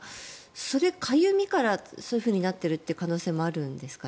それ、かゆみからそういうふうになっている可能性もあるんですか。